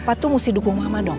papa tuh mesti dukung mama dong